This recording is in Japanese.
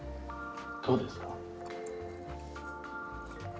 どうですか？